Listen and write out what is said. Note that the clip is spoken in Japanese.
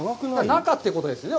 中ということですね。